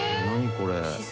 これ。